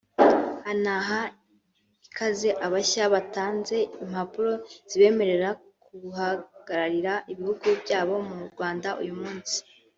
anaha ikaze abashya batanze impapuro zibemerera guhagararira ibihugu byabo mu Rwanda uyu munsi